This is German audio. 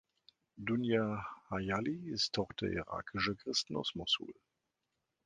Dunja Hayali ist Tochter irakischer Christen aus Mossul.